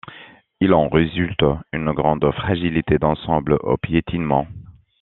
Il en résulte une grande fragilité d'ensemble au piétinement.